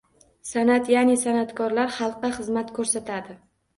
San’at, ya’ni san’atkorlar xalqqa xizmat ko’rsatadi.